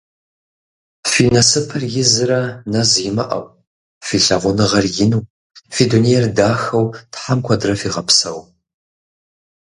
Фи насыпыр изрэ нэз имыӏэу, фи лъагъуныгъэр ину, фи дунейр дахэу Тхьэм куэдрэ фигъэпсэу!